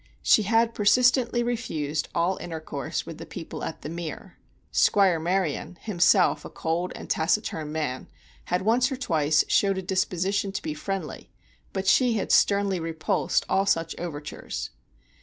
She had persistently refused all intercourse with the people at The Mere. Squire Maryon, himself a cold and taciturn man, had once or twice showed a disposition to be friendly, but she had sternly repulsed all such overtures.